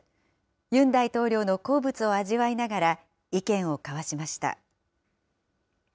ユン大統領の好物を味わいながら、意見を交わしました。